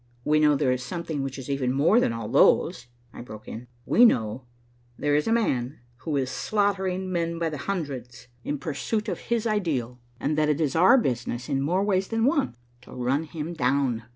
"We know there is something which is even more than all those things," I broke in. "We know there is a man who is slaughtering men by the hundreds, in pursuit of his ideal, and that it is our business, in more ways than one, to run him down.